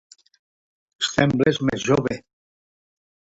Sembles més jove.